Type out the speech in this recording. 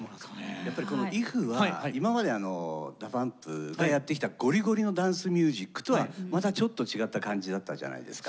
やっぱりこの「ｉｆ」は今までＤＡＰＵＭＰがやってきたゴリゴリのダンスミュージックとはまたちょっと違った感じだったじゃないですか。